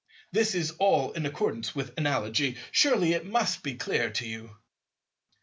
This is all in accordance with Analogy; surely it must be clear to you.